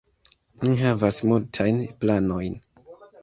Ni havas multajn planojn.